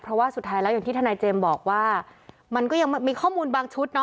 เพราะว่าสุดท้ายแล้วอย่างที่ทนายเจมส์บอกว่ามันก็ยังมีข้อมูลบางชุดเนาะ